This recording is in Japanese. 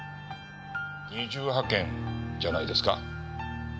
二重派遣じゃないですか？